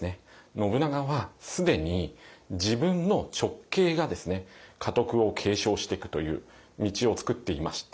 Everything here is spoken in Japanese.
信長は既に自分の直系が家督を継承してくという道を作っていまして。